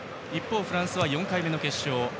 一方、フランスは４回目の決勝。